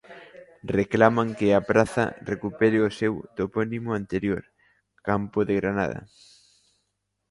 Reclaman que a praza recupere o seu topónimo anterior: Campo de Granada.